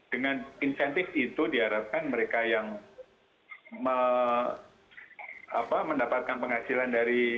dengan insentif itu diharapkan mereka yang mendapatkan penghasilan dari